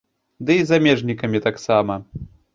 Ды і замежнікамі таксама.